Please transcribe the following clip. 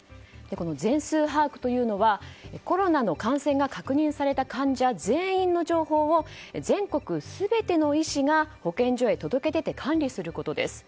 全数把握というのはコロナの感染が確認された患者全員の情報を全国全ての医師が保健所へ届け出て管理することです。